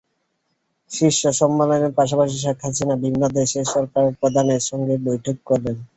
শীর্ষ সম্মেলনের পাশাপাশি শেখ হাসিনা বিভিন্ন দেশের সরকারপ্রধানদের সঙ্গে বৈঠক করবেন।